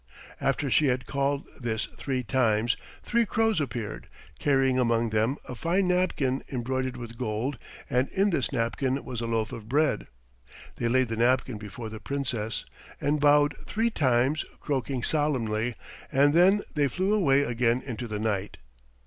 After she had called this three times three crows appeared, carrying among them a fine napkin embroidered with gold, and in this napkin was a loaf of bread. They laid the napkin before the Princess and bowed three times, croaking solemnly, and then they flew away again into the night.